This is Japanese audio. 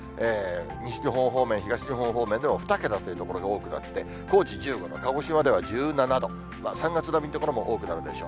西日本方面、東日本方面でも２桁という所が多くなって、高知１５度、鹿児島では１７度、３月並みの所も多くなるでしょう。